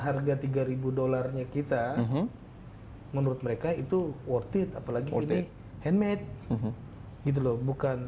harga tiga ribu dolarnya kita menurut mereka itu worth it apalagi ini handmade gitu loh bukan